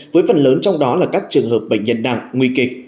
với phần lớn trong đó là các trường hợp bệnh nhân nặng nguy kịch